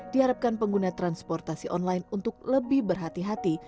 diharapkan pengguna transportasi online untuk lebih berhati hati